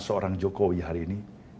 seorang jokowi hari ini